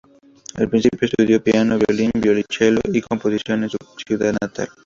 Al principio estudió piano, violín, violonchelo y composición en su ciudad natal.